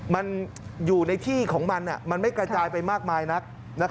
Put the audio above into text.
มันอยู่ในที่ของมันมันไม่กระจายไปมากมายนัก